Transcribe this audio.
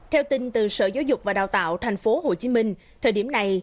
theo tin từ sở giáo dục và đào tạo thành phố hồ chí minh thời điểm này